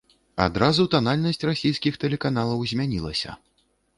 Адразу танальнасць расійскіх тэлеканалаў змянілася.